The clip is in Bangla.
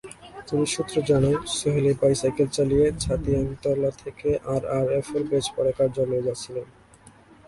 পুলিশ সূত্র জানায়, সোহেলী বাইসাইকেল চালিয়ে ছাতিয়ানতলা থেকে আরআরএফের বেজপাড়া কার্যালয়ে যাচ্ছিলেন।